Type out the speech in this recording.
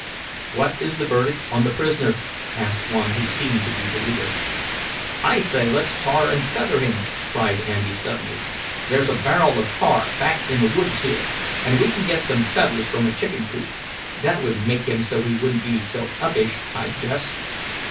"What is the verdict on the prisoner?" asked one who seemed to be the leader. "I say let's tar and feather him!" cried Andy suddenly. "There's a barrel of tar back in the woods here, and we can get some feathers from a chicken coop. That would make him so he wouldn't be so uppish, I guess!"